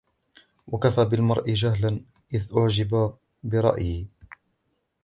وَكَفَى بِالْمَرْءِ جَهْلًا إذَا أُعْجِبَ بِرَأْيِهِ